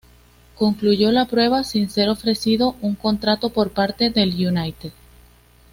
Concluyó la prueba sin ser ofrecido un contrato por parte del United.